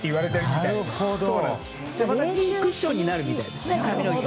またクッションになるみたいですね。